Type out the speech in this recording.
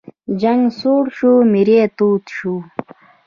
جنګ سوړ شو، میری تود شو.